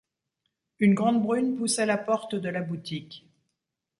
Une grande brune poussait la porte de la boutique.